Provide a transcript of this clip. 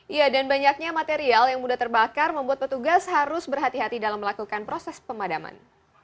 iya dan banyaknya material yang mudah terbakar membuat petugas harus berhati hati dalam melakukan proses pemadaman